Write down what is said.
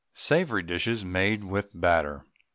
SAVOURY DISHES MADE WITH BATTER.